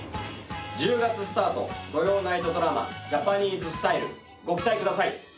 １０月スタート土曜ナイトドラマ『ジャパニーズスタイル』ご期待ください！